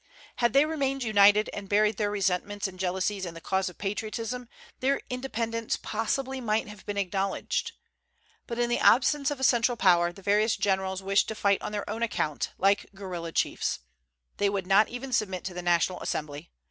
Had they remained united, and buried their resentments and jealousies in the cause of patriotism, their independence possibly might have been acknowledged. But in the absence of a central power the various generals wished to fight on their own account, like guerilla chiefs. They would not even submit to the National Assembly.